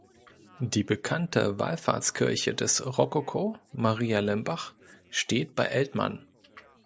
Die bekannte Wallfahrtskirche des Rokoko, Maria Limbach, steht bei Eltmann.